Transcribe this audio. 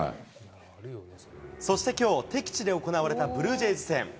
そしてきょう、敵地で行われたブルージェイズ戦。